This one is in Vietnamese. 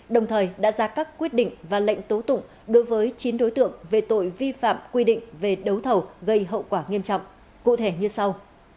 đồng thời đã ra các quyết định và lệnh tố tụng đối với chín đối tượng về tội vi phạm quy định về đấu thầu gây hậu quả nghiêm trọng cụ thể như sau